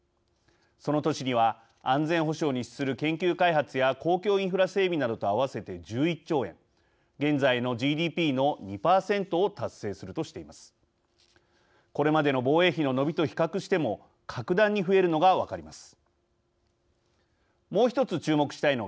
その年には、安全保障に資する研究開発や公共インフラ整備などと合わせて１１兆円、現在のＧＤＰの２％を達成するとしています。